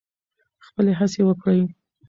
خپلې هڅې وکړئ.